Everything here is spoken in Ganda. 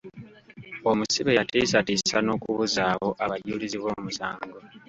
Omusibe yatiisatiisa n’okubuzaawo abajulizi bw’omusango.